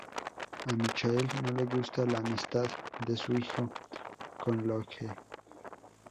A Michael no le gusta la amistad de su hijo con Locke.